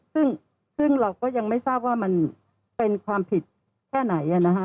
ซึ่งซึ่งเราก็ยังไม่ทราบว่ามันเป็นความผิดแค่ไหนอ่ะนะฮะ